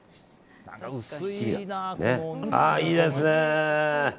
いいですね。